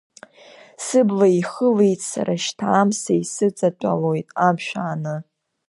Сыбла ихылеит сара шьҭа амса, исыҵатәалоит амшә ааны.